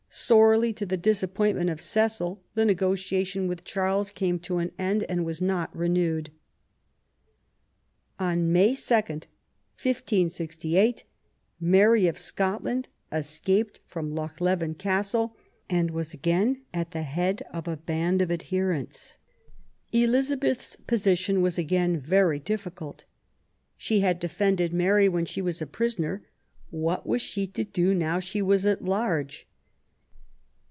Sorely to the disappointment, of Cecil, the negotiation with Charles came to an end and was not renewed. On May 2, 1568, Mary of Scotland escaped from Lochleven Castle and was again at the head of a band of adherents. Elizabeth's position was again very difficult. She had defended Mary when she was a prisoner, what was she to do now she was at large